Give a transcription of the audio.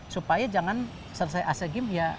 supaya jangan selesai asean games ya